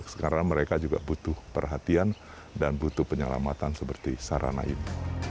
sekarang mereka juga butuh perhatian dan butuh penyelamatan seperti sarana ini